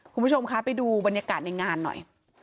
คุณผู้ชมคะไปดูบรรยากาศในงานหน่อย